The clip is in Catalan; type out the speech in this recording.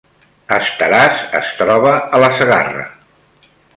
Estaràs es troba a la Segarra